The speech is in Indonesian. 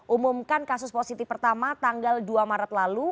umumkan kasus positif pertama tanggal dua maret lalu